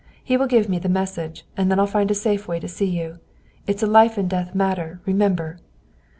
He will give me the message, and then I'll find a safe way to see you. It's a life and death matter, remember."